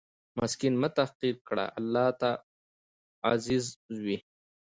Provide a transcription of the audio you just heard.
مسکین مه تحقیر کړه، الله ته عزیز وي.